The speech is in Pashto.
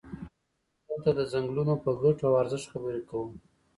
دلته د څنګلونو په ګټو او ارزښت خبرې کوو.